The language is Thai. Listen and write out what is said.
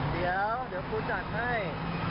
เดี๋ยวเดี๋ยวคุณจัดให้